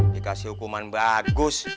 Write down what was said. dikasih hukuman bagus